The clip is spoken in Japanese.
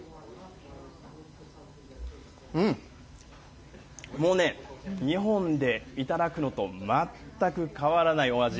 うん、もうね、日本で頂くのと全く変わらないお味。